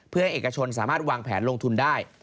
เพื่อให้เอกชนสามารถวางแผนลงทุนได้